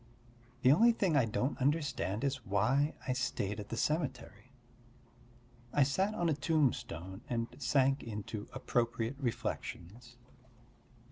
The only thing I don't understand is why I stayed at the cemetery; I sat on a tombstone and sank into appropriate reflections.